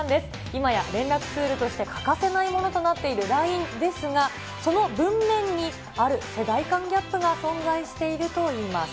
今や、連絡ツールとして欠かせないものとなっているＬＩＮＥですが、その文面に、ある世代間ギャップが存在しているといいます。